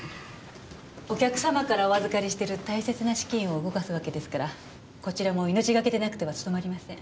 お客様からお預かりしてる大切な資金を動かすわけですからこちらも命がけでなくては務まりません。